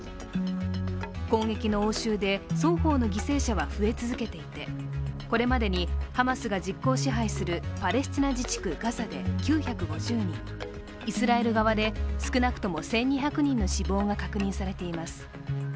攻撃の応酬で双方の犠牲者は増え続けていてこれまでにハマスが実行支配するパレスチナ自治区ガザで９５０人、イスラエル側で少なくとも１２００人の死亡が確認されています。